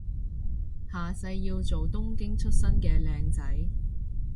下世要做東京出身嘅靚仔